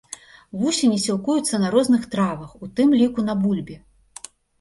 Вусені сілкуюцца на розных травах, у тым ліку на бульбе.